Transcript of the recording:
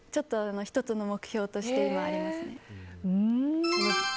１つの目標として今ありますね。